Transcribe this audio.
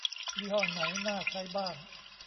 ยี่ห้อไหนน่าใช้บ้าง